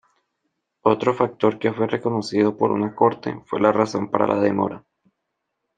Otro factor que fue reconocido por una Corte fue la razón para la demora.